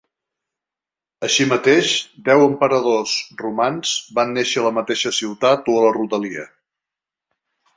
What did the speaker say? Així mateix, deu emperadors romans van néixer a la mateixa ciutat o a la rodalia.